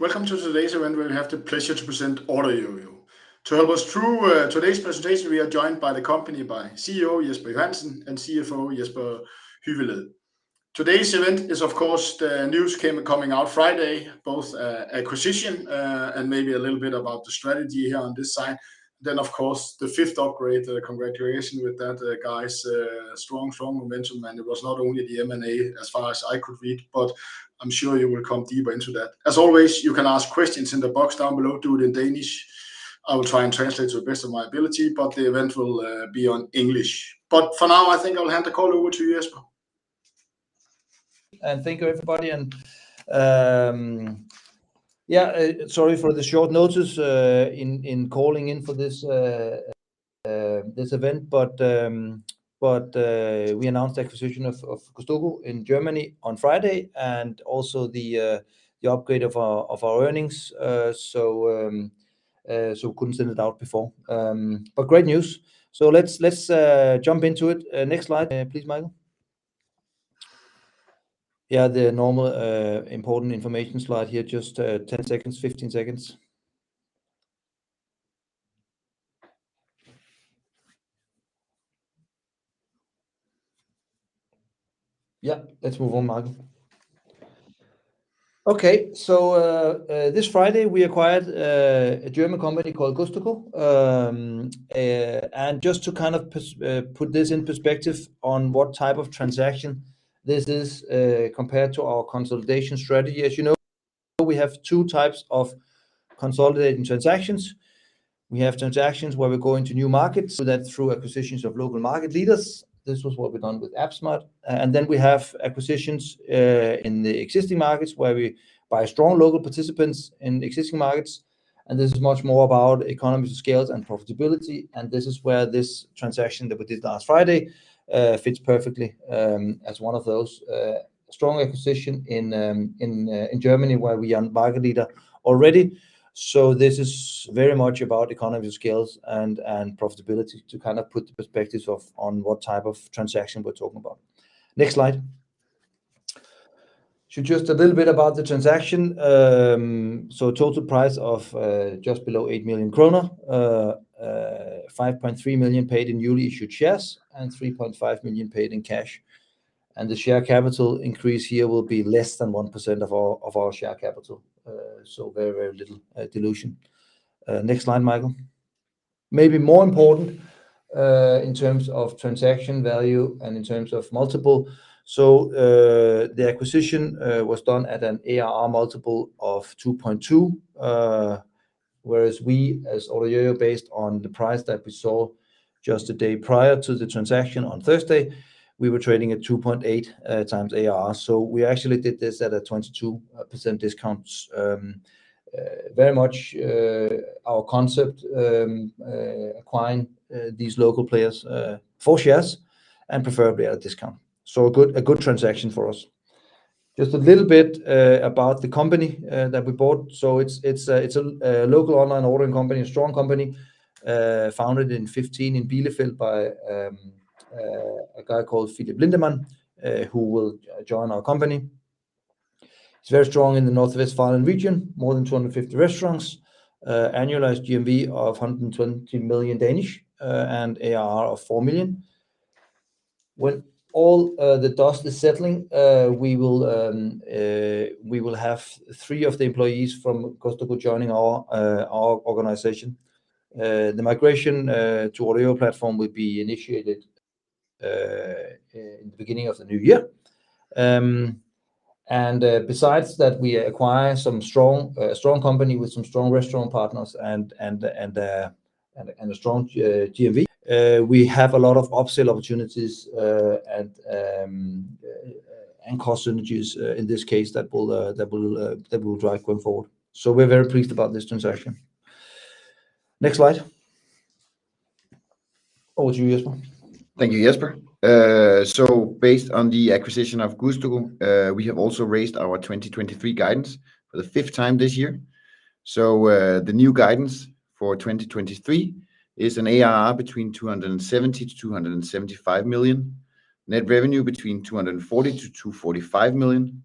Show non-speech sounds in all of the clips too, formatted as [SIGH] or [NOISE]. Welcome to today's event, where we have the pleasure to present OrderYOYO. To help us through today's presentation, we are joined by the company, by CEO Jesper Johansen and CFO Jesper Hyveled. Today's event is, of course, the news came, coming out Friday, both acquisition and maybe a little bit about the strategy here on this side. Then, of course, the fifth upgrade, congratulations with that, guys. Strong, strong momentum, and it was not only the M&A as far as I could read, but I'm sure you will come deeper into that. As always, you can ask questions in the box down below. Do it in Danish, I will try and translate to the best of my ability, but the event will be on English. But for now, I think I'll hand the call over to you, Jesper. Thank you, everybody, and yeah, sorry for the short notice in calling in for this event, but we announced the acquisition of Gustoco in Germany on Friday and also the upgrade of our earnings. So couldn't send it out before, but great news! So let's jump into it. Next slide, please, Michael. Yeah, the normal important information slide here, just 10 seconds, 15 seconds. Yeah, let's move on, Michael. Okay, so this Friday, we acquired a German company called Gustoco. And just to kind of put this in perspective on what type of transaction this is, compared to our consolidation strategy, as you know, we have two types of consolidating transactions. We have transactions where we go into new markets, so that through acquisitions of local market leaders, this was what we done with app smart. And then we have acquisitions in the existing markets, where we buy strong local participants in existing markets, and this is much more about economies of scales and profitability, and this is where this transaction that we did last Friday fits perfectly, as one of those, strong acquisition in Germany, where we are market leader already. So this is very much about economies of scales and profitability to kind of put the perspective of, on what type of transaction we're talking about. Next slide. So just a little bit about the transaction. So total price of just below 8 million kroner, 5.3 million paid in newly issued shares, and 3.5 million paid in cash, and the share capital increase here will be less than 1% of our share capital. So very, very little dilution. Next slide, Michael. Maybe more important in terms of transaction value and in terms of multiple, so the acquisition was done at an ARR multiple of 2.2x. Whereas we, as OrderYOYO, based on the price that we saw just the day prior to the transaction on Thursday, we were trading at 2.8x ARR, so we actually did this at a 22% discount. Very much, our concept, acquiring these local players for shares and preferably at a discount, so a good transaction for us. Just a little bit about the company that we bought. So it's a local online ordering company, a strong company, founded in 2015 in Bielefeld by a guy called Phillip Lindemann, who will join our company. It's very strong in the North Rhine-Westphalia region, more than 250 restaurants, annualized GMV of 120 million, and ARR of 4 million. When all the dust is settling, we will have three of the employees from Gustoco joining our organization. The migration to OrderYOYO platform will be initiated in the beginning of the new year. Besides that, we acquire some strong company with some strong restaurant partners and a strong GMV. We have a lot of upside opportunities and cost synergies in this case that will drive going forward. So we're very pleased about this transaction. Next slide. Over to you, Jesper. Thank you, Jesper. So based on the acquisition of Gustoco, we have also raised our 2023 guidance for the fifth time this year. The new guidance for 2023 is an ARR between 270 million-275 million, net revenue between 240 million-245 million,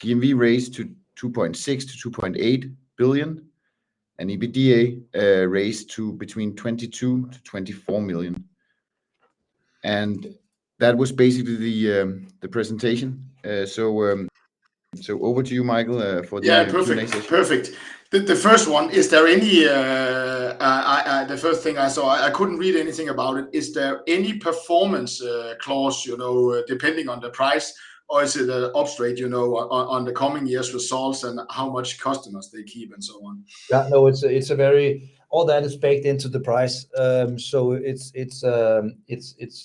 GMV raised to 2.6 billion-2.8 billion, and EBITDA raised to between 22 million-24 million. And that was basically the presentation. So over to you, Michael, for the. [CROSSTALK] Yeah, perfect. Perfect. The first one, the first thing I saw, I couldn't read anything about it: "Is there any performance clause, you know, depending on the price, or is it an upfront, you know, on the coming years' results and how much customers they keep, and so on?" Yeah, no, it's a very all that is baked into the price. So it's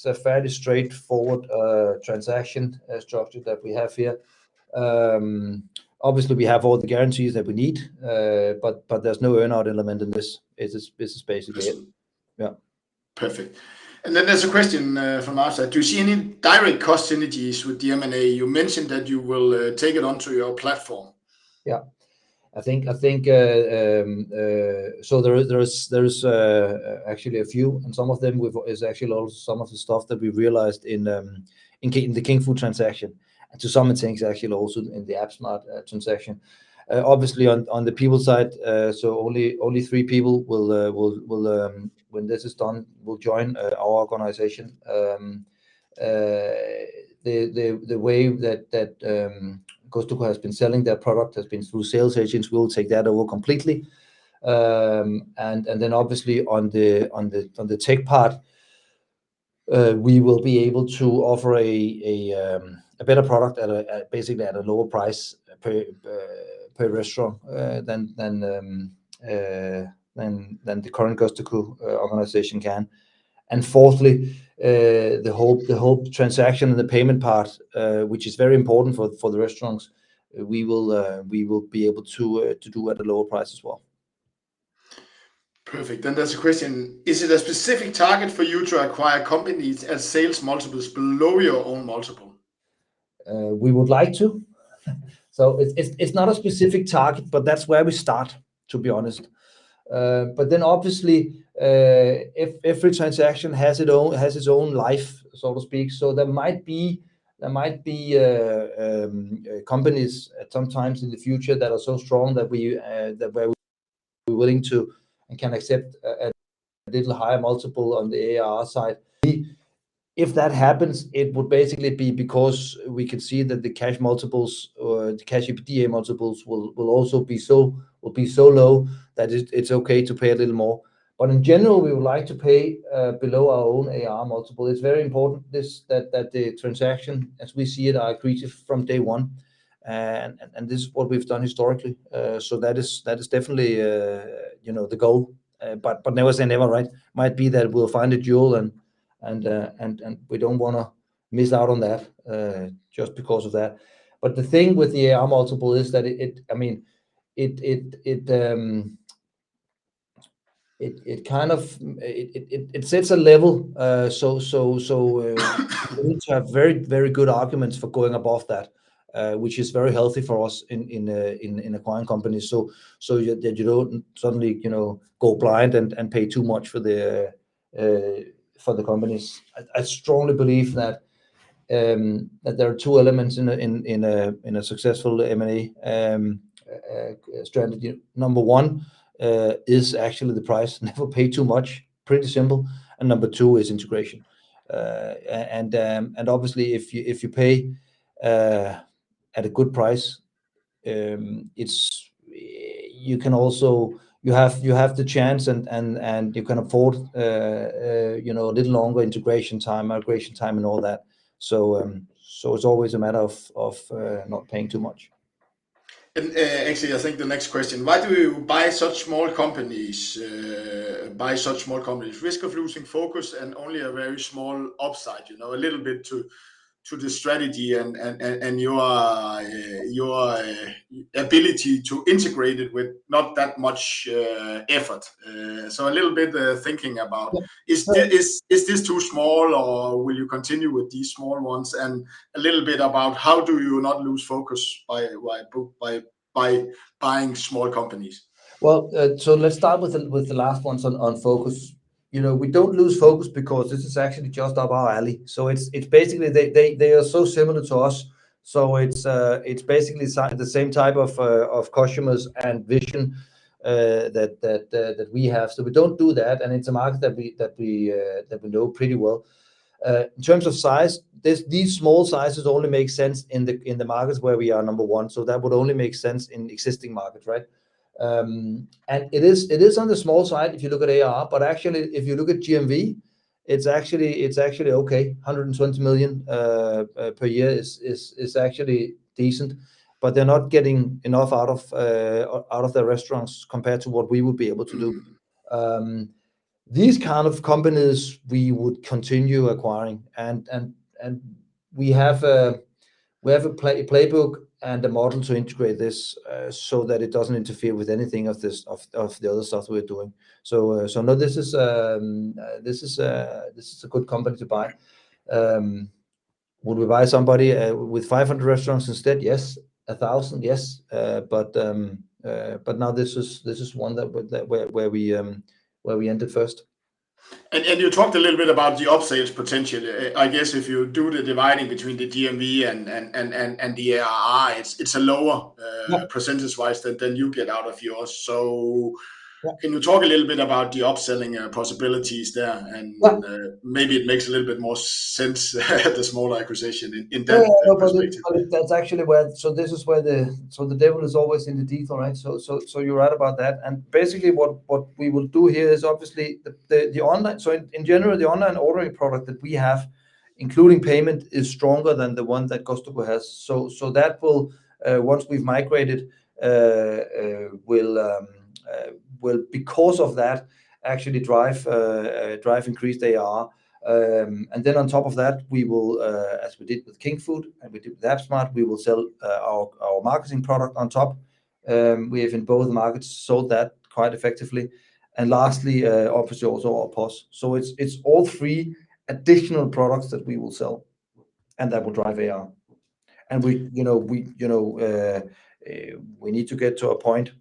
a fairly straightforward transaction as structured that we have here. Obviously, we have all the guarantees that we need, but there's no earn-out element in this. This is basically it. Yes. Yeah. Perfect. And then there's a question, from our side: "Do you see any direct cost synergies with the M&A? You mentioned that you will, take it onto your platform. Yeah, I think so there is actually a few, and some of them is actually also some of the stuff that we realized in the Kingfood transaction, and to some things actually also in the app smart transaction. Obviously on the people side, so only three people will, when this is done, join our organization. The way that Gustoco has been selling their product has been through sales agents. We'll take that over completely. And then obviously on the tech part, we will be able to offer a better product at basically a lower price per restaurant than the current Gustoco organization can. And fourthly, the whole transaction and the payment part, which is very important for the restaurants, we will be able to do at a lower price as well. Perfect. Then there's a question: Is it a specific target for you to acquire companies as sales multiples below your own multiple? We would like to. So it's not a specific target, but that's where we start, to be honest. But then obviously, every transaction has its own life, so to speak. So there might be companies sometimes in the future that are so strong that we're willing to and can accept a little higher multiple on the ARR side. If that happens, it would basically be because we can see that the cash multiples or the cash EBITDA multiples will also be so low that it's okay to pay a little more. But in general, we would like to pay below our own ARR multiple. It's very important that the transaction, as we see it, are accretive from day one. This is what we've done historically. So that is definitely, you know, the goal. But never say never, right? Might be that we'll find a jewel and we don't wanna miss out on that just because of that. But the thing with the ARR multiple is that it, I mean, it kind of sets a level, so we need to have very, very good arguments for going above that, which is very healthy for us in acquiring companies. So that you don't suddenly, you know, go blind and pay too much for the companies. I strongly believe that there are two elements in a successful M&A strategy. Number one is actually the price. Never pay too much. Pretty simple. And number two is integration. And obviously, if you pay at a good price, it's, you can also you have the chance and you can afford, you know, a little longer integration time, migration time, and all that. So it's always a matter of not paying too much. Actually, I think the next question: Why do you buy such small companies? Risk of losing focus and only a very small upside, you know, a little bit to the strategy and your ability to integrate it with not that much effort. So a little bit thinking about. Yeah. Is this too small or will you continue with these small ones? And a little bit about how do you not lose focus by buying small companies? Well, so let's start with the last ones on focus. You know, we don't lose focus because this is actually just up our alley. So it's basically they are so similar to us, so it's basically the same type of customers and vision that we have. So we don't do that, and it's a market that we know pretty well. In terms of size, these small sizes only make sense in the markets where we are number one, so that would only make sense in existing markets, right? And it is on the small side, if you look at ARR, but actually, if you look at GMV, it's actually okay. 120 million per year is actually decent, but they're not getting enough out of the restaurants compared to what we would be able to do. These kind of companies we would continue acquiring and we have a playbook and a model to integrate this, so that it doesn't interfere with anything of the other stuff we're doing. So, no, this is a good company to buy. Would we buy somebody with 500 restaurants instead? Yes. 1,000? Yes. But no, this is one that where we entered first. And you talked a little bit about the up-sales potential. I guess if you do the dividing between the GMV and the ARR, it's a lower. Yeah. Percentage-wise than you get out of yours. So. Yeah. Can you talk a little bit about the upselling possibilities there? Yeah. And, maybe it makes a little bit more sense, the smaller acquisition in that perspective. Yeah, no, but that's actually where this is where the devil is always in the detail, right? So, you're right about that. And basically, what we will do here is obviously the online, so in general, the online ordering product that we have, including payment, is stronger than the one that Gustoco has. So, that will, once we've migrated, because of that, actually drive increased ARR. And then on top of that, we will, as we did with Kingfood and we did with app smart, we will sell our marketing product on top. We have in both markets sold that quite effectively. And lastly, obviously also our POS. So it's all three additional products that we will sell, and that will drive ARR. And we, you know, need to get to a point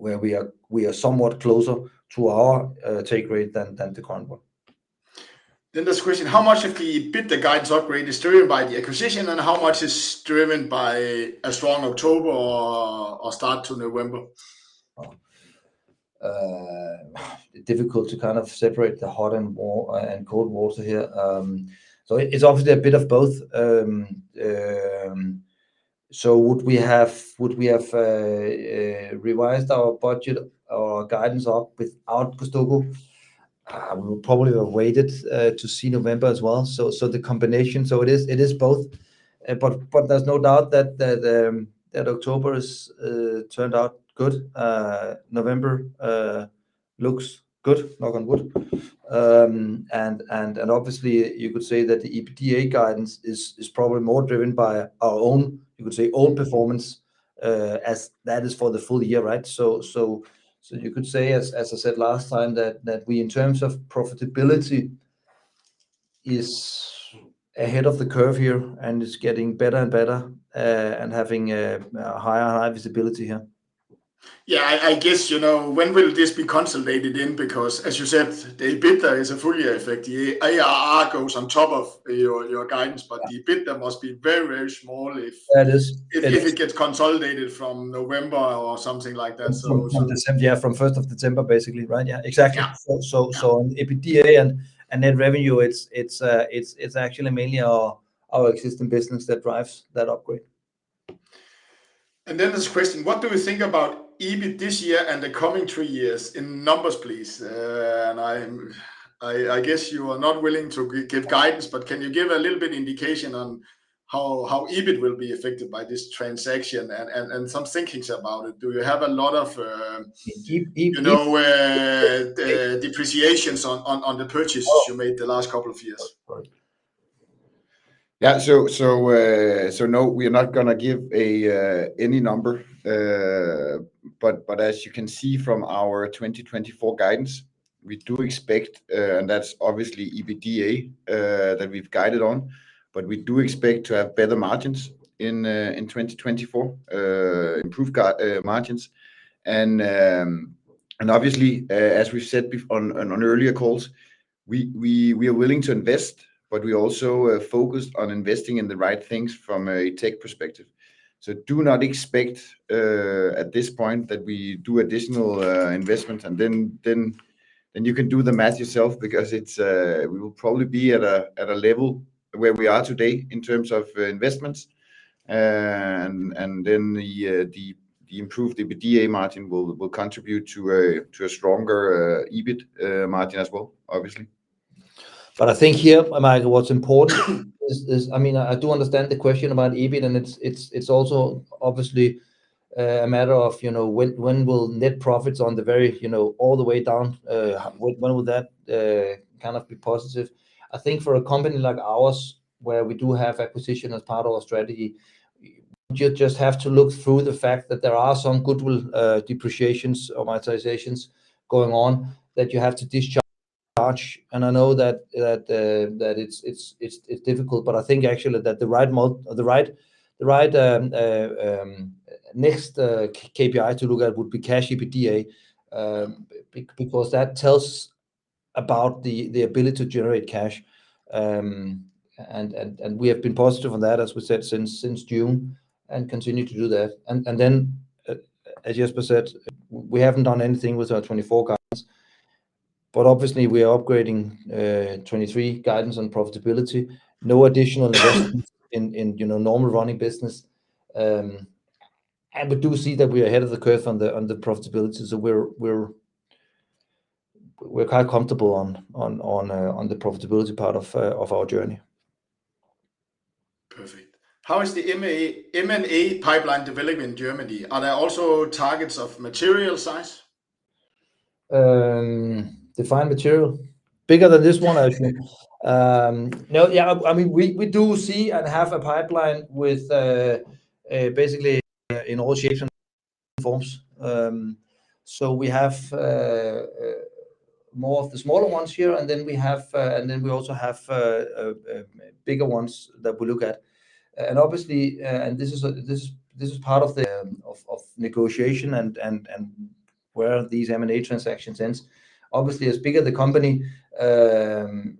where we are somewhat closer to our take rate than the current one. This question: How much of the EBITDA guidance upgrade is driven by the acquisition, and how much is driven by a strong October or start to November? Difficult to kind of separate the hot and warm and cold water here. So it, it's obviously a bit of both. So would we have, would we have, revised our budget or guidance up without Gustoco? We probably have waited to see November as well. So the combination. So it is, it is both. But there's no doubt that October is turned out good. November looks good, knock on wood. And obviously you could say that the EBITDA guidance is probably more driven by our own, you could say, own performance, as that is for the full year, right? So you could say, as I said last time, that we in terms of profitability is ahead of the curve here and is getting better and better, and having a higher and higher visibility here. Yeah, I guess, you know, when will this be consolidated in? Because as you said, the EBITDA is a full year effect. The ARR goes on top of your guidance, but the EBITDA must be very, very small if. Yeah, it is. If it gets consolidated from November or something like that, so. From December, yeah, from 1st of December, basically, right? Yeah, exactly. Yeah. So, EBITDA and net revenue, it's actually mainly our existing business that drives that upgrade. Then this question: What do we think about EBIT this year and the coming three years, in numbers, please? I guess you are not willing to give guidance, but can you give a little bit indication on how EBIT will be affected by this transaction and some thinkings about it? Do you have a lot of. E- [CROSSTALK] You know, depreciations on the purchases you made the last couple of years? Right. Yeah, so no, we are not gonna give any number. But as you can see from our 2024 guidance, we do expect, and that's obviously EBITDA, that we've guided on, but we do expect to have better margins in 2024, improved margins. And obviously, as we've said before, on earlier calls, we are willing to invest, but we also are focused on investing in the right things from a tech perspective. So do not expect, at this point, that we do additional investments, and then you can do the math yourself, because we will probably be at a level where we are today in terms of investments. And then the improved EBITDA margin will contribute to a stronger EBIT margin as well, obviously. But I think here, Michael, what's important is, I mean, I do understand the question about EBIT, and it's also obviously a matter of, you know, when will net profits on the very, you know, all the way down, when will that kind of be positive? I think for a company like ours, where we do have acquisition as part of our strategy, you just have to look through the fact that there are some goodwill depreciations or amortizations going on, that you have to discharge. And I know that it's difficult, but I think actually that the right next KPI to look at would be cash EBITDA, because that tells about the ability to generate cash. And we have been positive on that, as we said, since June, and continue to do that. And then, as Jesper said, we haven't done anything with our 2024 guidance, but obviously we are upgrading 2023 guidance on profitability. No additional investments in you know normal running business. And we do see that we are ahead of the curve on the profitability, so we're quite comfortable on the profitability part of our journey. Perfect. How is the M&A, M&A pipeline developing in Germany? Are there also targets of material size? Define material. Bigger than this one, I think. Yeah, I mean, we do see and have a pipeline with basically in all shapes and forms. So we have more of the smaller ones here, and then we also have bigger ones that we look at. And obviously, this is part of the negotiation and where these M&A transactions end. Obviously, as bigger the company, the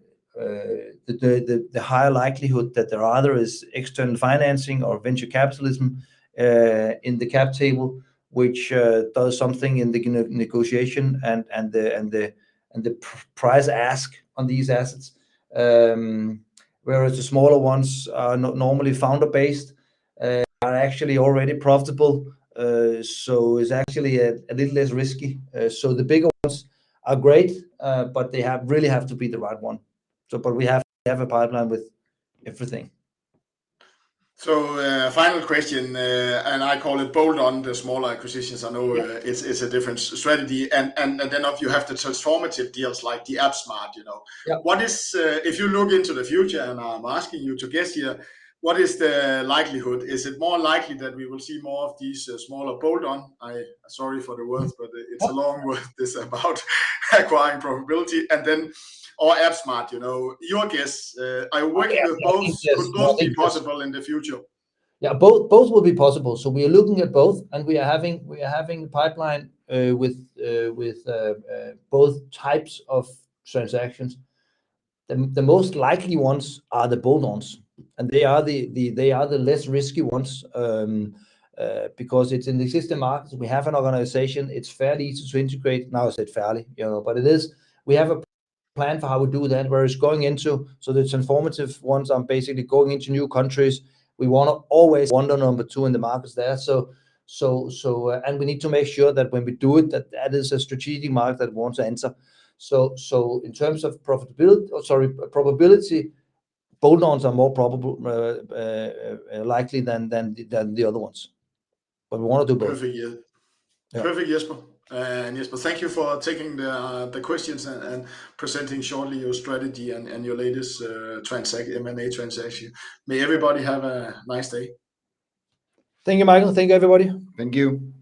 higher likelihood that there are others, i.e. external financing or venture capital in the cap table, which does something in the negotiation and the price ask on these assets. Whereas the smaller ones are normally founder based, are actually already profitable, so it's actually a little less risky. So the bigger ones are great, but they really have to be the right one. So, but we have, we have a pipeline with everything. Final question, and I call it bolt-on, the smaller acquisitions. Yeah. I know it's a different strategy, and then if you have the transformative deals like the app smart, you know. Yeah. What is, if you look into the future, and I'm asking you to guess here, what is the likelihood? Is it more likely that we will see more of these smaller bolt-on, sorry for the words, but it's a long word this about acquiring profitability, and then, or app smart, you know. Your guess, I wonder if both. Yes. Could both be possible in the future? Yeah, both, both will be possible. So we are looking at both, and we are having pipeline with both types of transactions. The most likely ones are the bolt-ons, and they are the less risky ones because it's in the existing markets. We have an organization. It's fairly easy to integrate. Now, I said fairly, you know, but it is. We have a plan for how we do that, where it's going into. So the transformative ones, I'm basically going into new countries. We wanna always wonder number two in the markets there. So, and we need to make sure that when we do it, that that is a strategic market that we want to enter. So, in terms of profitability, or sorry, probability, bolt-ons are more probable, likely than the other ones, but we wanna do both. Perfect, yeah. Yeah. Perfect, Jesper. And Jesper, thank you for taking the questions and presenting shortly your strategy and your latest transaction, M&A transaction. May everybody have a nice day. Thank you, Michael. Thank you, everybody. Thank you.